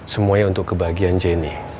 semuanya untuk kebahagiaan jenny